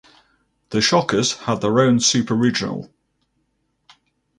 The Shockers had their own Super Regional.